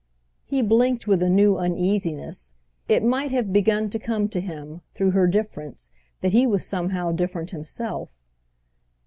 He blinked with a new uneasiness; it might have begun to come to him, through her difference, that he was somehow different himself.